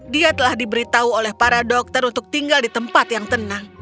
dia telah diberitahu oleh para dokter untuk tinggal di tempat yang tenang